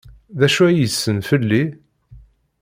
D acu ay yessen fell-i?